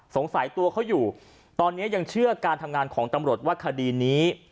สงสัยตัวเขาอยู่ตอนนี้ยังเชื่อการทำงานของตำรวจว่าคดีนี้